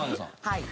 はい。